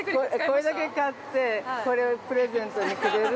◆これだけ買ってこれをプレゼントにくれる？